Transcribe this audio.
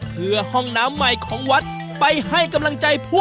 เพื่อห้องน้ำใหม่ของวัดไปให้กำลังใจผู้